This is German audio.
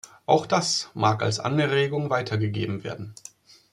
Auch das mag als Anregung weitergegeben werden.